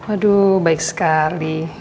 aduh baik sekali